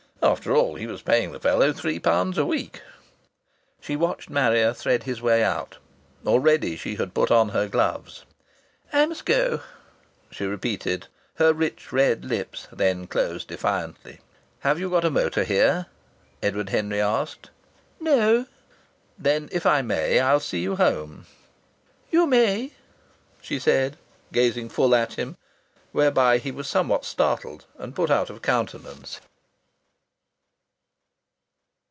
After all he was paying the fellow three pounds a week. She watched Marrier thread his way out. Already she had put on her gloves. "I must go," she repeated; her rich red lips then closed definitely. "Have you a motor here?" Edward Henry asked. "No." "Then if I may I'll see you home." "You may," she said, gazing full at him. Whereby he was somewhat startled and put out of countenance.